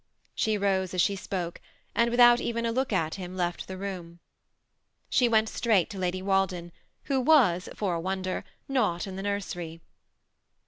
She rose as she spoke, and with out even a look at him left the room. She went straight to Lady Walden, who was, for a wonder, not in the nursery.